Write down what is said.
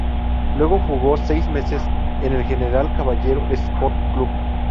Luego jugó seis meses en el General Caballero Sport Club.